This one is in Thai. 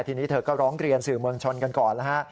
ทีนี้เธอก็ร้องเรียนสื่อมวลชนกันก่อนแล้วฮะ